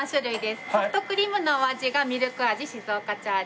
ソフトクリームのお味がミルク味静岡茶味